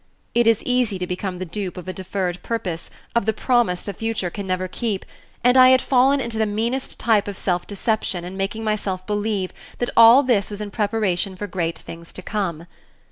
It is easy to become the dupe of a deferred purpose, of the promise the future can never keep, and I had fallen into the meanest type of self deception in making myself believe that all this was in preparation for great things to come.